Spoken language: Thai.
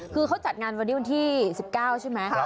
คือเขาจัดงานวันนี้วันที่๑๙ใช่ไหม